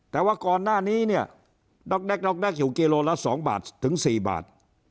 แต่ว่าก่อนหน้านี้เนี่ยด๊อกแก๊อกแก๊กอยู่กิโลละ๒บาทถึง๔บาท